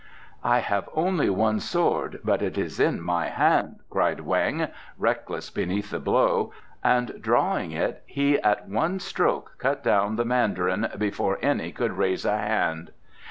"I have only one sword, but it is in my hand," cried Weng, reckless beneath the blow, and drawing it he at one stroke cut down the Mandarin before any could raise a hand.